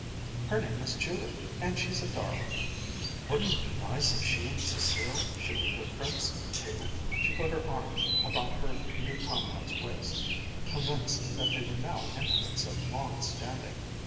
"Her name is Judith and she's a darling. Wouldn't it be nice if she and Cécile should be good friends too!" She put her arm about her new comrade's waist, convinced that they were now intimates of long standing.